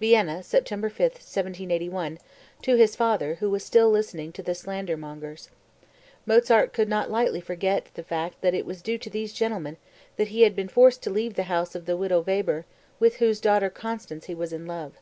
(Vienna, September 5, 1781, to his father, who was still listening to the slander mongers. Mozart could not lightly forget the fact that it was due to these gentlemen that he had been forced to leave the house of the widow Weber with whose daughter Constanze he was in love.)